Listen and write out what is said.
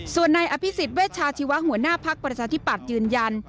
ส่วนนายอภิษฎเวชาชีวะหัวหน้าภักดิ์ประชาธิปัตย์ยืนยัน